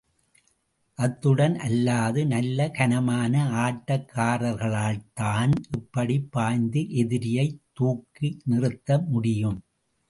அத்துடன் அல்லாது, நல்ல கனமான ஆட்டக் காரர்களால்தான் இப்படிப் பாய்ந்து எதிரியை தூக்கி நிறுத்த முடியும்.